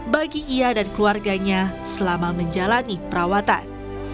bagi ia dan keluarganya selama menjalani perawatan